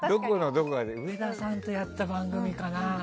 上田さんとやった番組かな。